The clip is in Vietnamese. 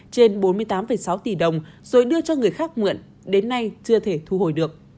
trên bốn mươi tám sáu tỷ đồng rồi đưa cho người khác mượn đến nay chưa thể thu hồi được